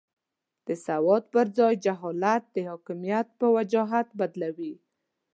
د سواد پر ځای جهالت د حاکمیت په وجاهت بدلوي.